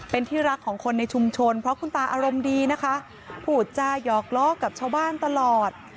เป็นที่รักของคนในชุมชนเพราะคุณตาอารมณ์ดีนะคะพูดจาหยอกล้อกับชาวบ้านตลอด